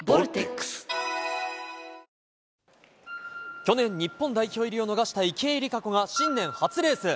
去年、日本代表入りを逃した池江璃花子が、新年初レース。